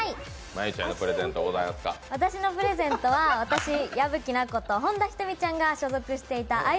私のプレゼントは、私、矢吹奈子と本田仁美ちゃんが所属していたＩＺ